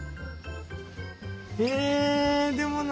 えでもな